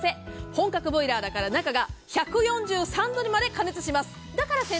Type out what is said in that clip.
本格ボイラーだから中が１４３度にまで加熱します。